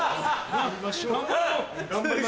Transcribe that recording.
頑張りましょう。